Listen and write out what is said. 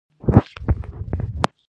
ټول انسانان په یو ډول د درناوي وړ دي.